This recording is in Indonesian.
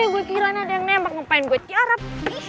gue kirain ada yang nempak ngapain gue carap